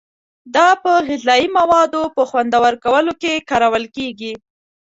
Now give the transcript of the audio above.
دا په غذایي موادو په خوندور کولو کې کارول کیږي.